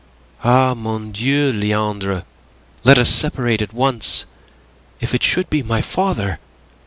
"Ah, mon Dieu, Leandre, let us separate at once. If it should be my father..."